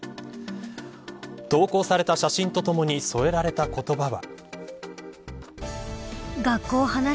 投稿された写真とともに添えられた言葉は。